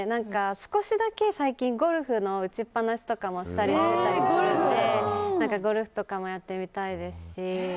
少しだけ最近ゴルフの打ちっぱなしとかもしたりするのでゴルフとかもやってみたいですし。